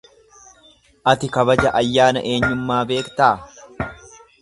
Ati kabaja ayyaana eenyummaa beektaa?